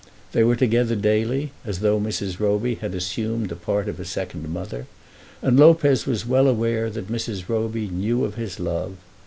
They were together daily, as though Mrs. Roby had assumed the part of a second mother, and Lopez was well aware that Mrs. Roby knew of his love.